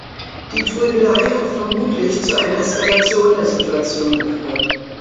Die Trödelei hat vermutlich zu einer Eskalation der Situation geführt.